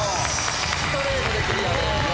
ストレートでクリアです。